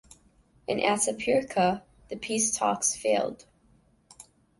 In Atapuerca the peace talks failed.